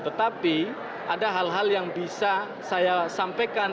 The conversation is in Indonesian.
tetapi ada hal hal yang bisa saya sampaikan